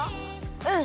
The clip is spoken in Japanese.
うん！